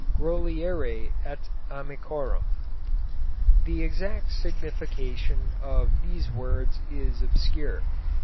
GROLIERII ET AMICORVM. The exact signification of these words is obscure.